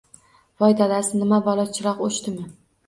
Voy dadasi, nima balo, chiroq o`chdimi